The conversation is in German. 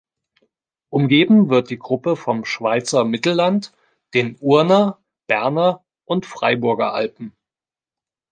Umgeben wird die Gruppe vom Schweizer Mittelland, den Urner-, Berner- und Freiburger Alpen.